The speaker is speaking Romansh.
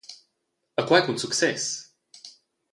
E quei cun success.